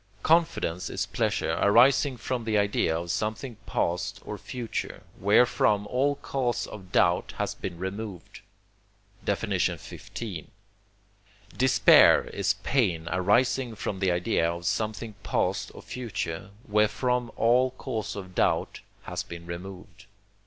Confidence is pleasure arising from the idea of something past or future, wherefrom all cause of doubt has been removed. XV. Despair is pain arising from the idea of something past or future, wherefrom all cause of doubt has been removed.